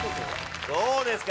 どうですか？